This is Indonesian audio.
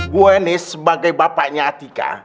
gue ini sebagai bapaknya atika